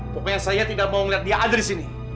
pokoknya saya tidak mau melihat dia ada disini